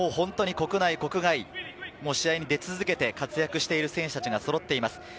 国内、国外、試合に出続けて活躍している選手たちがそろっています。